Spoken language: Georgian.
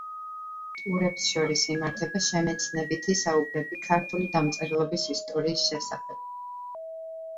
ტურებს შორის იმართება შემეცნებითი საუბრები ქართული დამწერლობის ისტორიის შესახებ.